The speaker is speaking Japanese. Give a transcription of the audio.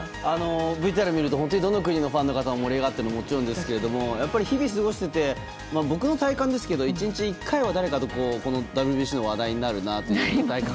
ＶＴＲを見ると本当にどの国のファンも盛り上がっているのはもちろんですが日々過ごしていて僕の体感ですけど１日１回は誰かとＷＢＣの話題になるなと。